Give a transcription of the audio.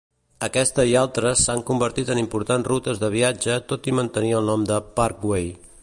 Aquesta i altres s'han convertit en important rutes de viatge tot i mantenir el nom de Parkway.